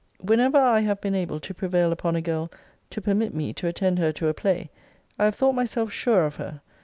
Whenever I have been able to prevail upon a girl to permit me to attend her to a play, I have thought myself sure of her.